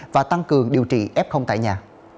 và tăng cường điều trị f tại nhà